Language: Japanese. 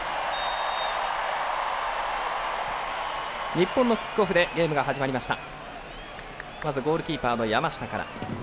日本のキックオフでゲームが始まりました。